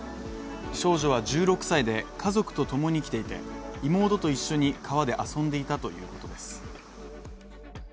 少女は１６歳で家族と共に来ていて、妹と一緒に川で遊んでいたということです。